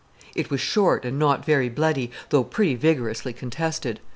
It was short and not very bloody, though pretty vigorously contested.